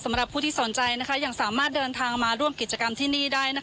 สำหรับผู้ที่สนใจยังสามารถเดินทางมาร่วมกิจกรรมที่นี่ได้